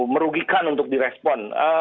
merugikan untuk di respon